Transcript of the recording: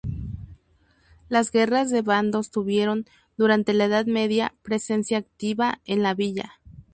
Las guerras de bandos tuvieron, durante la Edad Media, presencia activa en la villa.